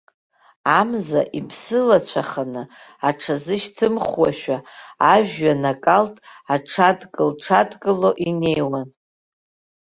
Амза, иԥсылацәаханы аҽазышьҭымхуашәа, ажәҩан акалҭ аҽадкыл-ҽадкыло инеиуан.